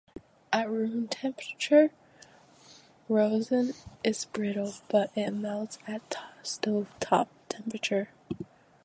At room temperature rosin is brittle, but it melts at stove-top temperature.